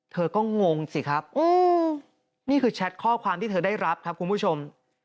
เธอก็งงสิครับนี่คือแชทข้อความที่เธอได้รับครับคุณผู้ชม